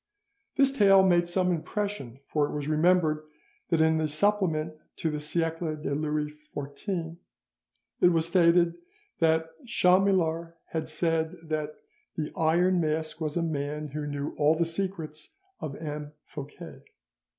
This tale made some impression, for it was remembered that in the Supplement to the 'Siecle de Louis XIV' it was stated that Chamillart had said that "the Iron Mask was a man who knew all the secrets of M. Fouquet."